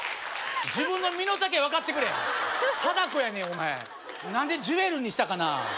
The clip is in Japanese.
自分の身の丈分かってくれ貞子やねんお前何で宝愛瑠にしたかな